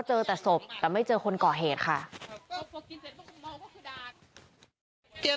เจอแต่ศพแต่ไม่เดือนเธอเค้าออกมาอะ